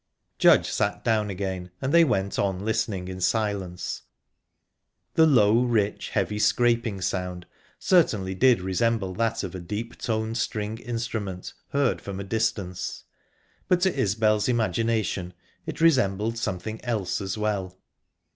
Judge sat down again, and they went on listening in silence. The low, rich, heavy scraping sound certainly did resemble that of a deep toned stringed instrument, heard from a distance, but to Isbel's imagination, it resembled something else as well.